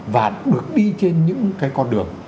và được đi trên những cái con đường